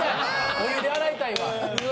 お湯で洗いたいわ！